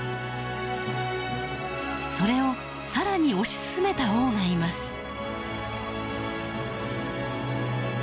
それを更に推し進めた王がいます。